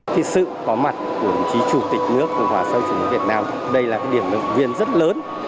thì sự có mặt của chủ tịch nước của hòa xã hội chủ nghĩa việt nam đây là cái điểm lực viên rất lớn